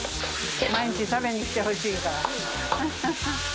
毎日食べに来て欲しいから。